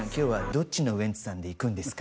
「どっちのウエンツさんでいくんですか？」